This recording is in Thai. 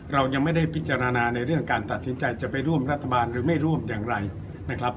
เรายังไม่ได้พิจารณาในเรื่องการตัดสินใจจะไปร่วมรัฐบาลหรือไม่ร่วมอย่างไรนะครับ